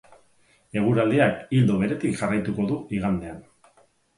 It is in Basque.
Eguraldiak ildo beretik jarraituko du igandean.